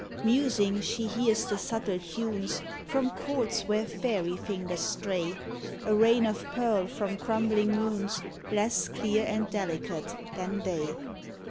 Musing, she hears the subtle tunes From chords where faery fingers stray A rain of pearl from crumbling moons Less clear and delicate than they.